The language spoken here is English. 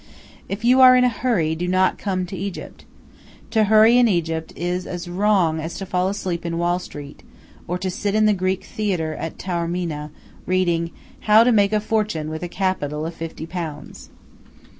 If you are in a hurry, do not come to Egypt. To hurry in Egypt is as wrong as to fall asleep in Wall street, or to sit in the Greek Theatre at Taormina, reading "How to Make a Fortune with a Capital of Fifty Pounds."